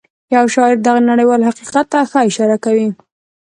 يو شاعر دغه نړيوال حقيقت ته ښه اشاره کوي.